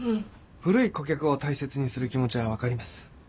古い顧客を大切にする気持ちは分かります。